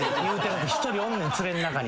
１人おんねん連れの中に。